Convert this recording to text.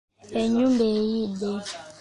Ennyumba eyidde.